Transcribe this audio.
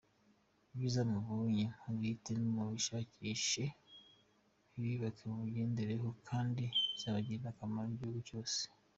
Ibyiza mubonye mubihitemo, mubishakishe, bibubake, mubigendereho kandi bizagirire akamaro igihugu cyose.